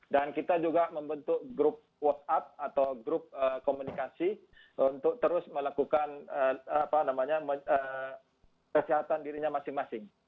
dan kita juga membentuk grup whatsapp atau grup komunikasi untuk terus melakukan apa namanya kesehatan dirinya masing masing